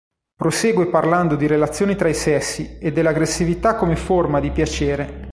Prosegue parlando di relazioni tra i sessi, e della aggressività come forma di piacere.